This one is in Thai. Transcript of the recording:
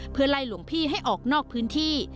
เพื่อไล่หลวงพี่ให้ออกนอกพื้นที่